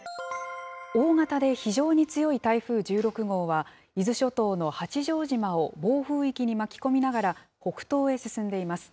大型で非常に強い台風１６号は、伊豆諸島の八丈島を暴風域に巻き込みながら北東へ進んでいます。